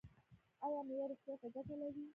ایا میوه روغتیا ته ګټه لري؟